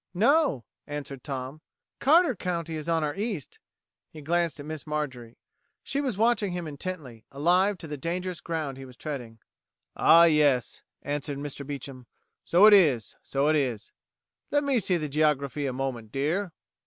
"No," answered Tom, "Carter County is on our east." He glanced at Miss Marjorie. She was watching him intently, alive to the dangerous ground he was treading. "Ah, yes," answered Mr. Beecham, "so it is so it is. Let me see the geography a moment, dear."